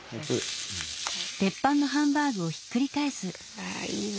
あいいな。